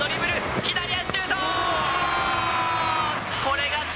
左足シュート。